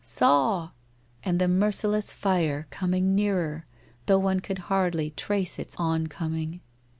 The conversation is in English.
... Saw! ... And the merciless fire coming nearer, though one could hardly trace its oncom ing!